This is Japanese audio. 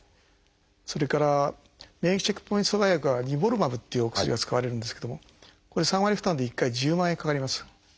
それから免疫チェックポイント阻害薬は「ニボルマブ」というお薬が使われるんですけどもこれ３割負担で１回１０万円かかります。